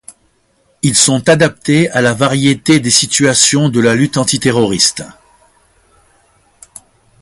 Ils sont adaptés à la variété des situations de la lutte antiterroriste.